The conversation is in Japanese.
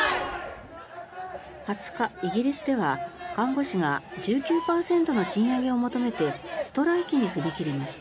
２０日、イギリスでは看護師が１９％の賃上げを求めてストライキに踏み切りました。